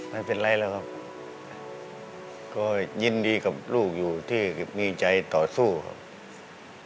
ไม่เป็นไรแล้วครับก็ยินดีกับลูกอยู่ที่มีใจต่อสู้ครับ